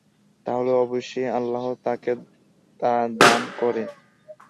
তাহলে অবশ্যই আল্লাহ তাকে তা দান করেন।